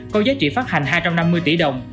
có giá trị phát hành hai trăm năm mươi tỷ đồng